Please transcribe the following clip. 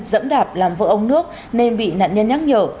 dẫm đạp làm vỡ ông nước nên bị nạn nhân nhắc nhở